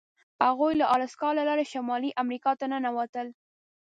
هغوی له الاسکا لارې شمالي امریکا ته ننوتل.